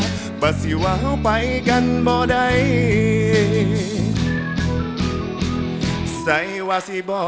ขอบคุณมากขอบคุณมาก